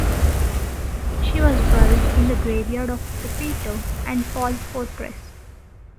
She was buried in the graveyard of the Peter and Paul Fortress.